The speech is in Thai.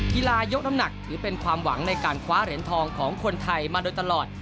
ยกน้ำหนักถือเป็นความหวังในการคว้าเหรียญทองของคนไทยมาโดยตลอด